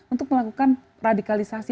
untuk melakukan radikalisasi